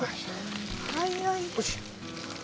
早い。